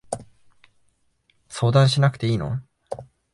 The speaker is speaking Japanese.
相談しなくていいの？